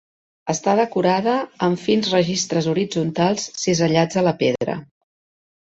Està decorada amb fins registres horitzontals cisellats a la pedra.